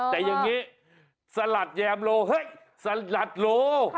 แต่อย่างนี้สลัดแยมโลเฮ้ยสลัดโล